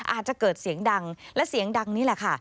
อาจจะเกิดเสียงดังและเสียงดังนี่แหละค่ะ